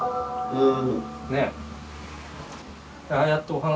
うん。